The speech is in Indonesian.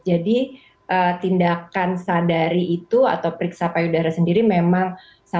jadi tindakan sadari itu atau periksa payudara sendiri memang satu cara yang paling tepat